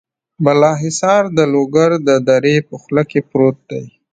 بالا حصار د لوګر د درې په خوله کې پروت دی.